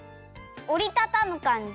おりたたむかんじ？